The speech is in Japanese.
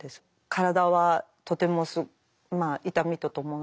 体はとても痛みと伴って。